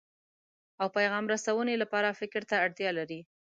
او پیغام رسونې لپاره فکر ته اړتیا لري.